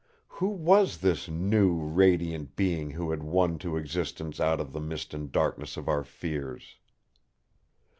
Who was this new, radiant being who had won to existence out of the mist and darkness of our fears?